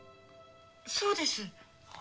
そうです。